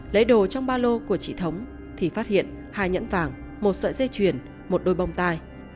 lấy đồ trong ba lô của chị thống thì phát hiện hai nhẫn vàng một sợi dây chuyền một đôi bông tai